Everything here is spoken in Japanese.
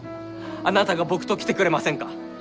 あなたが僕と来てくれませんか？